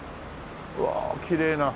うわあきれいな。